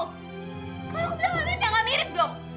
kalau aku bilang gak mirip ya gak mirip dong